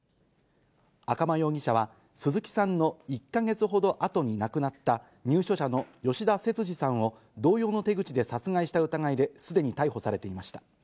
赤間容疑者は、鈴木さんの１か月ほどあとに亡くなった、入所者の吉田節次さんを、同様の手口で殺害した疑いですでに逮捕されていました。